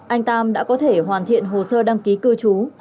anh tam đã có thể hoàn thiện hồ sơ đăng ký cư trú